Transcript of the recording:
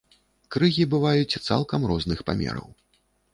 Крыгі бываюць цалкам розных памераў.